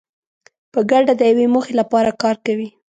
په ګډه د یوې موخې لپاره کار کوي.